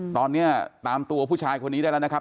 ตอนนี้ตามตัวผู้ชายคนนี้ได้แล้วนะครับ